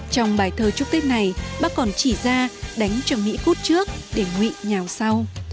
trong bài thơ chúc tết này bác còn chỉ ra đánh chồng mỹ cút trước để ngụy nhào sau